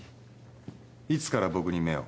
いつから僕に目を？